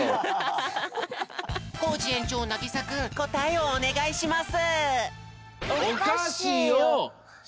コージ園長なぎさくんこたえをおねがいします！